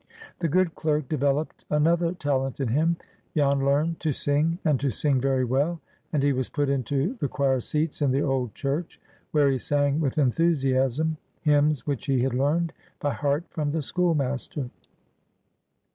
The good clerk developed another talent in him. Jan learned to sing, and to sing very well; and he was put into the choir seats in the old church, where he sang with enthusiasm hymns which he had learned by heart from the schoolmaster.